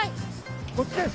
こっちです。